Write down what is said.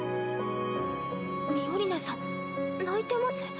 ミオリネさん泣いてます？